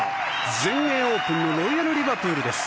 全英オープンのロイヤル・リバプールです。